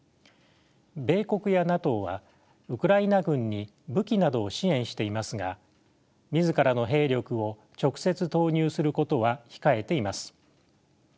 米国やＮＡＴＯはウクライナ軍に武器などを支援していますが自らの兵力を直接投入することは控えています。